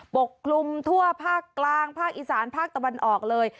ปกคลุมทั่วภาคกลางภาคอีสานภาคตะวันออกเลย